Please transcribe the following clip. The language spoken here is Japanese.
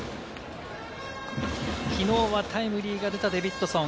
きのうはタイムリーが出たデビッドソン。